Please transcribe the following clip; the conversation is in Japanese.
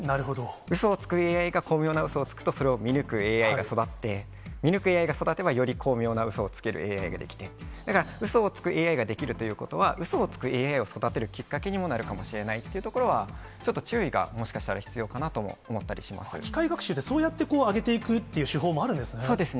うそをつくＡＩが巧妙なうそをつくと、それを見抜くＡＩが育って、見抜くＡＩが育てば、より巧妙なうそをつけるＡＩが出来て、だからうそをつくＡＩができるということは、うそをつくＡＩを育てるきっかけにもなるかもしれないっていうところは、ちょっと注意がもしかしたら必要機械学習って、そうやって上げていくという手法もあるんですね。